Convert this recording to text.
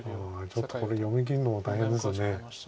ちょっとこれ読みきるのも大変ですよね。